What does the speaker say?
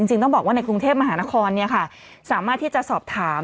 ต้องบอกว่าในกรุงเทพมหานครสามารถที่จะสอบถาม